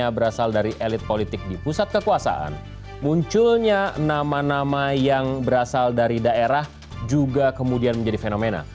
berasal dari daerah juga kemudian menjadi fenomena